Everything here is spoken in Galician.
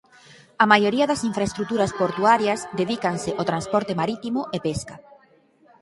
A maioría das infraestruturas portuarias dedícanse ao transporte marítimo e pesca.